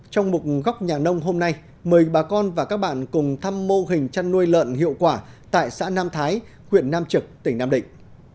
trong một góc nhà nông hôm nay mời bà con và các bạn cùng thăm mô hình chăn nuôi lợn hiệu quả tại xã nam thái huyện nam trực tỉnh nam định